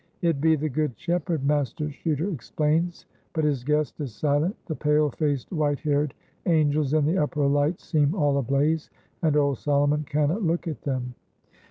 "It be the Good Shepherd," Master Chuter explains, but his guest is silent. The pale faced, white haired angels in the upper lights seem all ablaze, and Old Solomon cannot look at them.